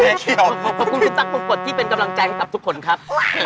เยี่ยมเลยพวกมีตักปกติที่เป็นกำลังใจฝากทุกคนครับ